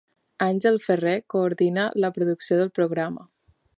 Àngel Ferrer coordina la producció del programa.